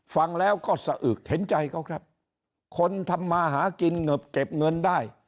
ฟังแล้วก็สะอึกเห็นใจเขาครับคนทำมาหากินเหงิบเก็บเงินได้